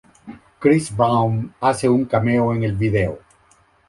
Chris Brown hace un cameo en el video.